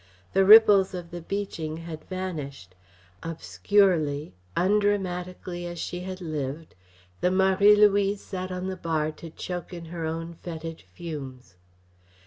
The ripples of the beaching had vanished; obscurely, undramatically as she had lived, the Marie Louise sat on the bar to choke in her own fetid fumes.